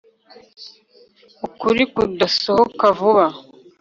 ukuri kuzasohoka vuba